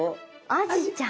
アジちゃん。